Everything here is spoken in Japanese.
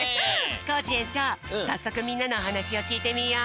コージえんちょうさっそくみんなのおはなしをきいてみよう！